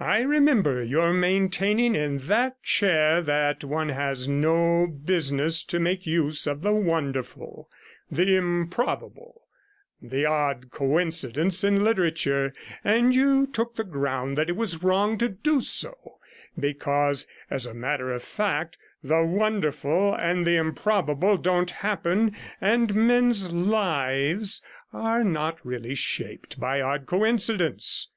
I remember your maintaining in that chair that one has no business to make use of the wonderful, the improbable, the odd coincidence in literature, and you took the ground that it was wrong to do so, because as a matter of fact the wonderful and the improbable don't happen, and men's lives are not really shaped by odd coincidence.